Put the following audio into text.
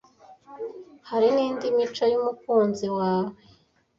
Hari n’indi mico y’umukunzi wawe